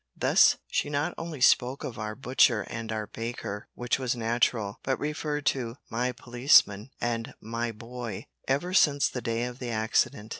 Thus she not only spoke of our butcher and our baker, which was natural, but referred to "my policeman" and "my boy" ever since the day of the accident.